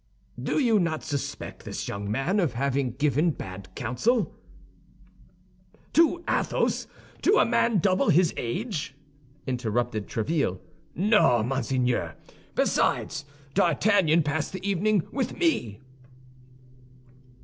"Do you not suspect this young man of having given bad counsel?" "To Athos, to a man double his age?" interrupted Tréville. "No, monseigneur. Besides, D'Artagnan passed the evening with me."